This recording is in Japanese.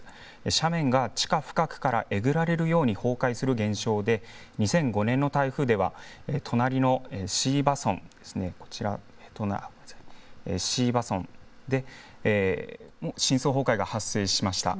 斜面が地下深くからえぐられるように崩壊する現象で、２００５年の台風ではとなりの椎葉村、こちら椎葉村で、深層崩壊が発生しました。